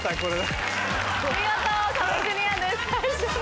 見事壁クリアです。